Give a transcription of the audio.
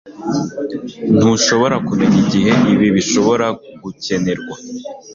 Ntushobora kumenya igihe ibi bishobora gukenerwa